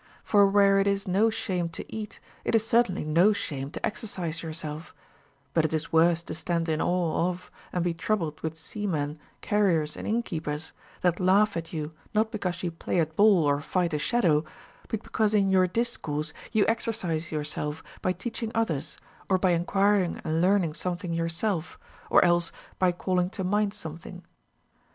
For where it is no shame to eat, it is certainly no shame to exercise yourself ; but it is worse to stand in awe of and be troubled with seamen, carriers, and innkeepers, that laugh at you not because you play at ball or tight a shadow, but because in your discourse you exercise yourself by teaching others, or by enquiring and learning something yourself, or else by calling to mind something.